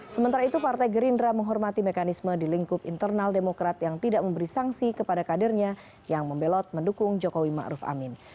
sementara itu partai gerindra menghormati mekanisme di lingkup internal demokrat yang tidak memberi sanksi kepada kadernya yang membelot mendukung jokowi ⁇ maruf ⁇ amin